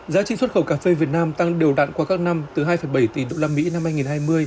giá trị xuất khẩu cà phê việt nam tăng đều đặn qua các năm từ hai bảy tỷ usd năm hai nghìn hai mươi